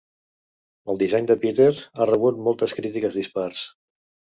El disseny de Peter ha rebut moltes crítiques dispars.